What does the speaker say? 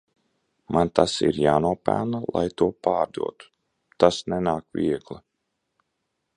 Man tas ir jānopelna lai to pārdotu, tas nenāk viegli.